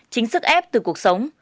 chính sức ép từ cuộc sống